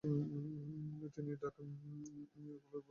তিনি তাকে ওভালে খেলার জন্যে সুপারিশ করেন।